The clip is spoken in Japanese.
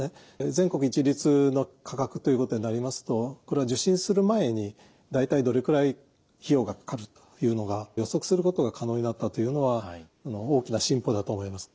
全国一律の価格ということになりますとこれは受診する前に大体どれくらい費用がかかるというのが予測することが可能になったというのは大きな進歩だと思います。